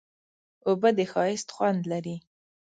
اوبه د ښایست خوند لري.